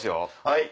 はい。